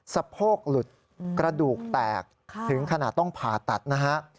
สะโพกหลุดกระดูกแตกถึงขนาดต้องผ่าตัดนะฮะ